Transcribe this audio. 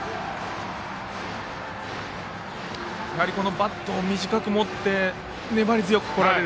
バットを短く持って粘り強くこられる。